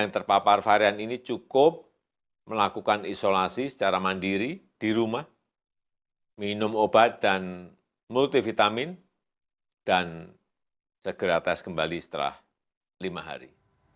yang terpapar varian ini cukup melakukan isolasi secara mandiri di rumah minum obat dan multivitamin dan segera tes kembali setelah lima hari